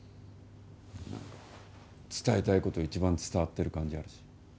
何か伝えたいこと一番伝わってる感じあるし。